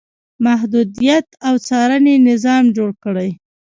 محدودیت او څارنې نظام جوړ کړي.